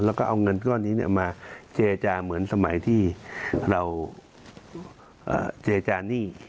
แล้วก็เอาเงินก้อนนี้มาเจรจาเหมือนสมัยที่เราเจรจานี่